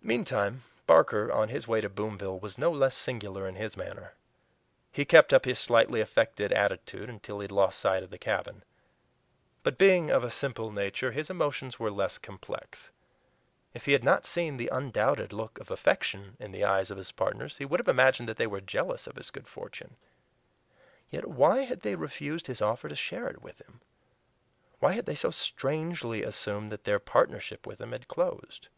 Meantime Barker on his way to Boomville was no less singular in his manner. He kept up his slightly affected attitude until he had lost sight of the cabin. But, being of a simple nature, his emotions were less complex. If he had not seen the undoubted look of affection in the eyes of his partners he would have imagined that they were jealous of his good fortune. Yet why had they refused his offer to share it with him? Why had they so strangely assumed that their partnership with him had closed?